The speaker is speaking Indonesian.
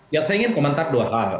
yang saya ingin komentar dua hal